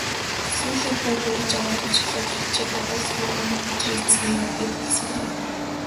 "Сүүлэн хүү бөгж аваад явчихлаа" гэхэд "Чи гадаад хормойгоор хужир идсэнээрээ яв" гээд хөдөлсөнгүй.